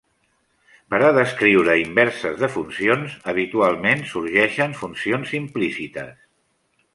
Per a descriure inverses de funcions habitualment sorgeixen funcions implícites.